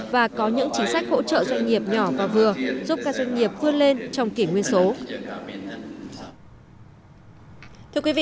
và có những chính sách hỗ trợ doanh nghiệp nhỏ và vừa giúp các doanh nghiệp vươn lên trong kỷ nguyên số